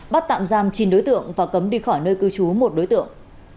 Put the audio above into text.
bắt tạm giam chín đối tượng và cấm đi khỏi nơi cư trú một đối tượng